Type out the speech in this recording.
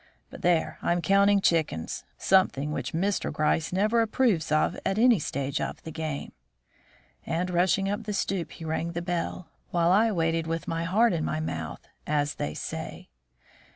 "But there! I'm counting chickens something which Mr. Gryce never approves of at any stage of the game." And rushing up the stoop, he rang the bell, while I waited below with my heart in my mouth, as they say.